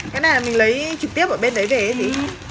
cái này mình lấy trực tiếp ở bên đấy về ấy chứ